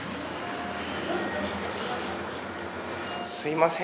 すみません